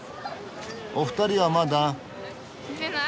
お二人はまだ。